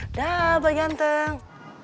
dadah pak ganteng